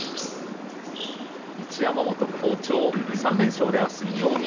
一山本、好調３連勝です。